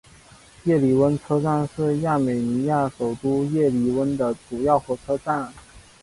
叶里温车站是亚美尼亚首都叶里温的主要火车站。